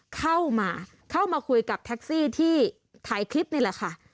เข้ามาเข้ามาคุยกับแท็กซี่ที่ถ่ายคลิปนี่แหละค่ะ